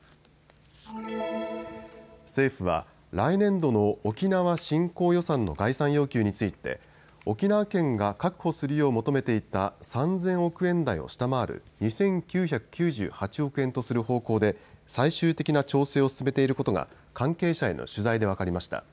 政府は来年度の沖縄振興予算の概算要求について沖縄県が確保するよう求めていた３０００億円台を下回る２９９８億円とする方向で最終的な調整を進めていることが関係者への取材で分かりました。